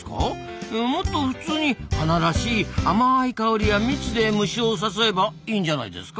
もっと普通に花らしい甘い香りや蜜で虫を誘えばいいんじゃないですか？